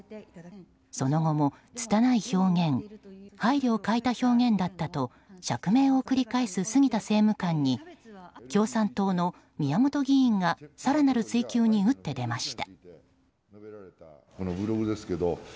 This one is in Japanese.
その後も、つたない表現配慮を欠いた表現だったと釈明を繰り返す杉田政務官に共産党の宮本議員が更なる追及に打って出ました。